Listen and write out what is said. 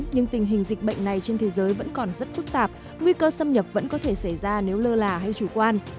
nhưng tình hình dịch bệnh này trên thế giới vẫn còn rất phức tạp nguy cơ xâm nhập vẫn có thể xảy ra nếu lơ là hay chủ quan